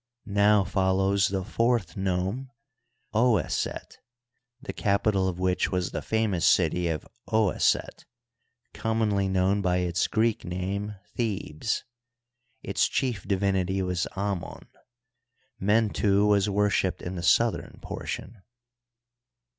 Now follows the fourth nome, Oue set, the capital of which was the famous city of Oueset (commonly known by its Greek name Thebes) ; its chief divinity was Amon ; Mentu was worshiped in the south em portion.